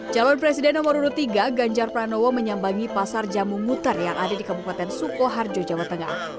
calon presiden nomor dua puluh tiga ganjar pranowo menyambangi pasar jamu ngutar yang ada di kabupaten sukoharjo jawa tengah